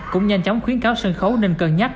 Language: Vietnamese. cũng nhanh chóng khuyến cáo sân khấu nên cân nhắc